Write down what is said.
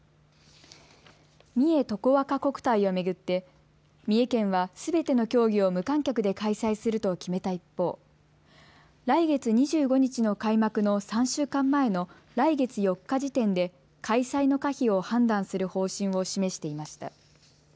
三重とこわか国体を巡って三重県はすべての競技を無観客で開催すると決めた一方、来月２５日の開幕の３週間前の来月４日時点で開催の可否を判断する方針を示していました。